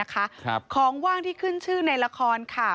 ของว่างที่ขึ้นชื่อในละครค่ะ